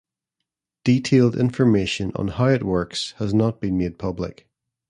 Detailed information on how it works has not been made public.